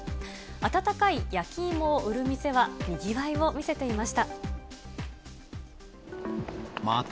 温かい焼き芋を売る店はにぎわいを見せていました。